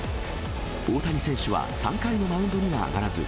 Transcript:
大谷選手は３回のマウンドには上がらず。